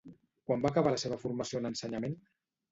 Quan va acabar la seva formació en ensenyament?